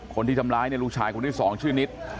คนที่ทำร้ายเนี่ยลูกชายคนที่สองชื่อนิด